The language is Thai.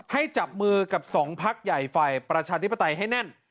ให้จับมือกับ๒พักใหญ่ไฟประชาธิปไตยให้แน่น